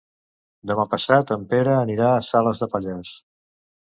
Demà passat en Pere anirà a Salàs de Pallars.